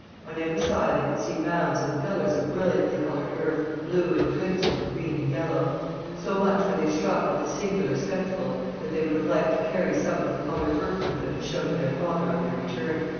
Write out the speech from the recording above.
On every side they could see mounds and pillars of brilliantly coloured earth, blue and crimson and green and yellow. So much were they struck with the singular spectacle that they would have liked to carry some of the coloured earth with them to show to their father on their return.